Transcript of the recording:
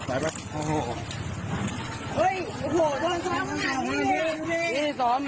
อ่านนี้